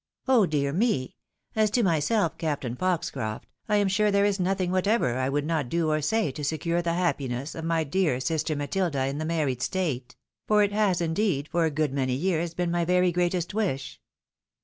"" Oh, dear me ! as to myself, Captain Foxcroft, I am sure there is nothing whatever I would not do or say to secure the happiness of my dear sister Matilda in the married state ; for it 284 THE WIDOW MARRIED. has, indeed, for a good many years, been my very greatest wish.